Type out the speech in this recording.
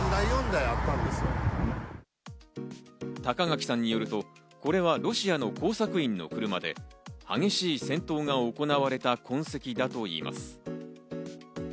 高垣さんによると、これはロシアの工作員の車で激しい戦闘が行われた痕跡だといいます。